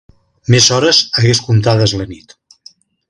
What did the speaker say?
Més hores hagués comptades la nit